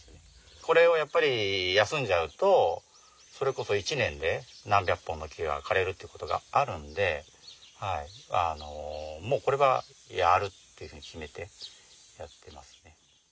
これをやっぱり休んじゃうとそれこそ１年で何百本の木が枯れるってことがあるんでもうこれはやるっていうふうに決めてやってますね。